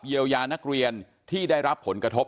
เยียวยานักเรียนที่ได้รับผลกระทบ